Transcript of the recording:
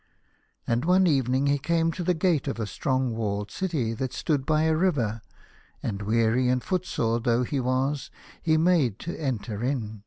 And one evening he came to the gate of a strong walled city that stood by a river, and, weary and footsore though he was, he made to enter in.